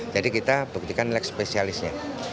jadi kita buktikan lekspesialisnya